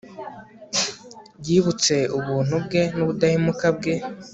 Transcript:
yibutse ubuntu bwe n'ubudahemuka bwe